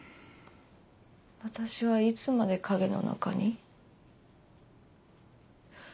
私はいつまで影の中に？